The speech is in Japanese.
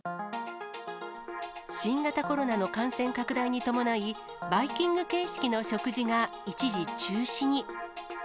新型コロナの感染拡大に伴い、バイキング形式の食事が一時中止に。